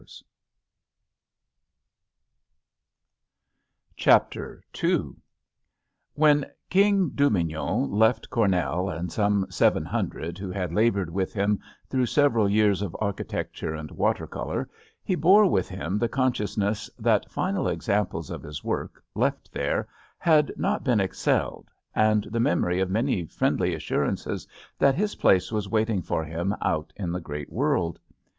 JUST SWEETHEARTS JjJ Chapter II WHEN King Dubignon left Cornell and some seven hundred who had labored with him through several years of architecture and watercolor, he bore with him the consciousness that final examples of his work, left there, had not been excelled, and the memory of many friendly assurances that his place was waiting for him out in the great world.